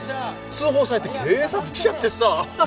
通報されて警察来ちゃってさハハ